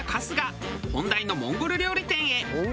本題のモンゴル料理店へ。